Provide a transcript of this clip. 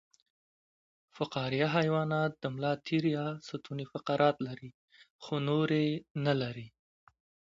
فقاریه حیوانات د ملا تیر یا ستون فقرات لري خو نور یې نلري